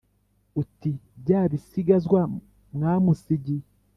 Uti bya bisigazwa mwamusigiye